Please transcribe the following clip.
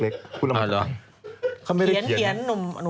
อ๋อเหรอขี้นหนูอ่านดูดีเขาไม่ได้เขียน